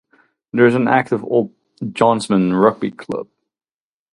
There is an active Old Johnsmen Rugby Club.